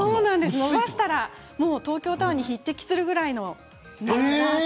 伸ばしたら東京タワーに匹敵するくらいの高さ。